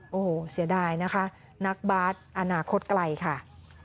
โอ้โหเสียดายนะคะนักบาสอนาคตไกลค่ะ